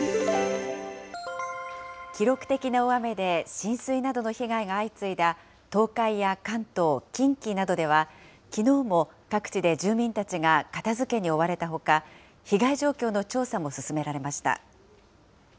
記録的な大雨で浸水などの被害が相次いだ東海や関東、近畿などでは、きのうも各地で住民たちが片づけに追われたほか、被害状況の調査も進められました。